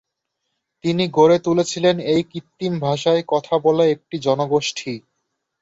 তিনি গড়ে তুলেছিলেন এই কৃত্রিম ভাষায় কথা বলা একটি জনগোষ্ঠী।